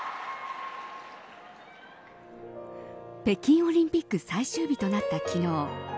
北京オリンピック最終日となった、昨日。